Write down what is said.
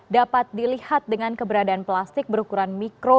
dapat dilihat dengan keberadaan plastik berukuran mikro